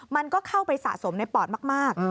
มันก็เข้าไปสะสมในปอดมาก